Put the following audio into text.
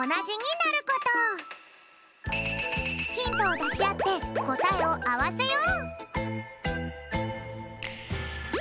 ヒントをだしあってこたえをあわせよう！